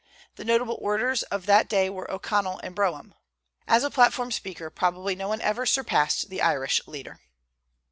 The notable orators of that day were O'Connell and Brougham. As a platform speaker, probably no one ever surpassed the Irish leader.